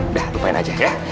udah lupain aja ya